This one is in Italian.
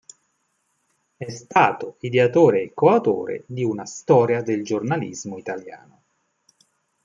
È stato ideatore e coautore di una storia del giornalismo italiano.